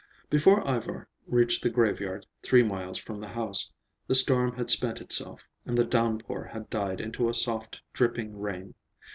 Before Ivar reached the graveyard, three miles from the house, the storm had spent itself, and the downpour had died into a soft, dripping rain.